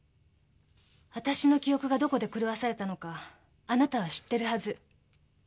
あたしの記憶がどこで狂わされたのかあなたは知ってるはず。